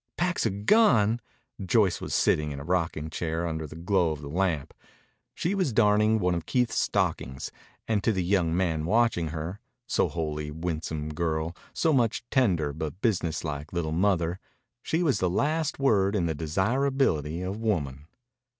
"Packs a gun!" Joyce was sitting in a rocking chair under the glow of the lamp. She was darning one of Keith's stockings, and to the young man watching her so wholly winsome girl, so much tender but business like little mother she was the last word in the desirability of woman.